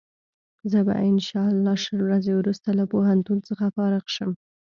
زه به انشا الله شل ورځې وروسته له پوهنتون څخه فارغ شم.